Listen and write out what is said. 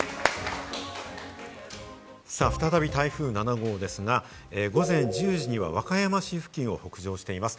再び台風７号ですが、午前１０時には和歌山市付近を北上しています。